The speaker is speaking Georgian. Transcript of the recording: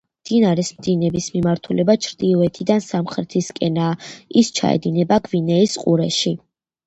მდინარის დინების მიმართულება ჩრდილოეთიდან სამხრეთისკენაა; ის ჩაედინება გვინეის ყურეში.